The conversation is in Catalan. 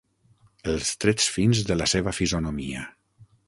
Els trets fins de la seva fisonomia.